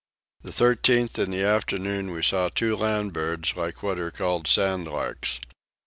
The 13th in the afternoon we saw two land birds like what are called sand larks.